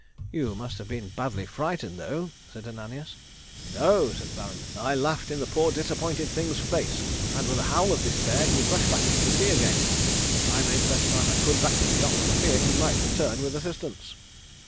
"You must have been badly frightened, though," said Ananias. "No," said the Baron. "I laughed in the poor disappointed thing's face, and with a howl of despair, he rushed back into the sea again. I made the best time I could back to the yacht for fear he might return with assistance."